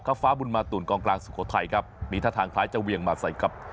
ฟ้าบุญมาตุลกองกลางสุโขทัยครับมีท่าทางคล้ายจะเวียงมาใส่กับ